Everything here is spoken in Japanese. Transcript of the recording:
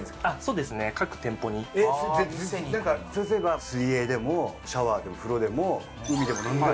そうすれば水泳でもシャワーでも風呂でも海でもなんでも？